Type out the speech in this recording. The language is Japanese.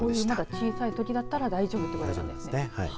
小さいときだったら大丈夫ということですね。